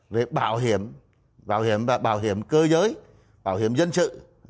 về bảo hiểm bảo hiểm cơ giới bảo hiểm dân sự